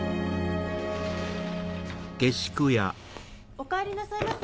おかえりなさいませ。